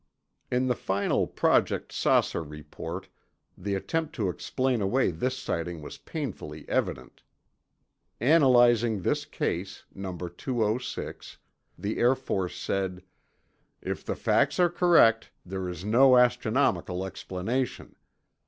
(In the final Project "Saucer" report, the attempt to explain away this sighting was painfully evident. Analyzing this case, Number 206, the Air Force said: "If the facts are correct, there is no astronomical explanation.